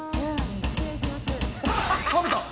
失礼します。